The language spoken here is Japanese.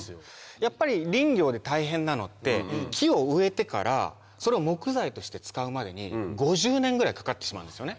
やっぱり林業で大変なのって木を植えてからそれを木材として使うまでに５０年ぐらいかかってしまうんですよね。